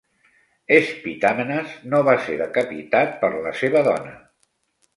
Spitamenes no va ser decapitat per la seva dona.